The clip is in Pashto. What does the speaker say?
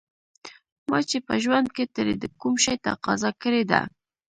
ما چې په ژوند کې ترې د کوم شي تقاضا کړې ده.